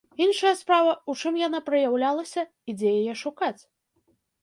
Іншая справа, у чым яна праяўлялася і дзе яе шукаць?